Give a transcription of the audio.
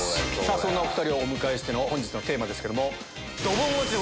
そんなお２人をお迎えしての本日のテーマですけども。